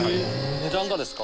値段がですか？